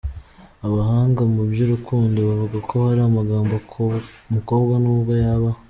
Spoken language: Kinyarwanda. Abahanga mu by’urukundo bavuga ko hari amagambo umukobwa n’ubwo yaba.